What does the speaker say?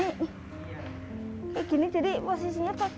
kayak gini jadi posisinya kebalik gitu